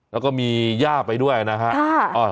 แล้วก็มีย่าไปด้วยนะฮะ